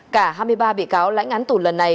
cả hai mươi ba bị cáo lãnh án tù lần này